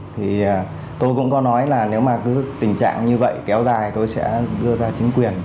thì tôi cũng có nói là nếu mà cứ tình trạng như vậy kéo dài tôi sẽ đưa ra chính quyền